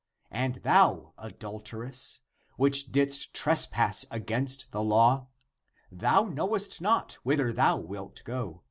And thou, adulteress, which didst trespass against the law, thou knowest not whither thou wilt go.